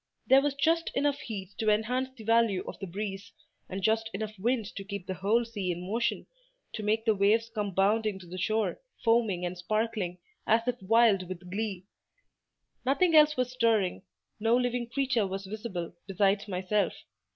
There was just enough heat to enhance the value of the breeze, and just enough wind to keep the whole sea in motion, to make the waves come bounding to the shore, foaming and sparkling, as if wild with glee. Nothing else was stirring—no living creature was visible besides myself.